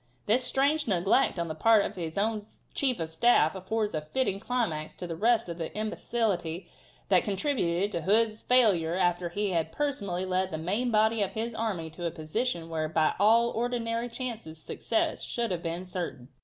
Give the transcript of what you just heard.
This strange neglect of the part of his own chief of staff affords a fitting climax to all the rest of the imbecility that contributed to Hood's failure after he had personally led the main body of his army to a position where by all ordinary chances success should have been certain.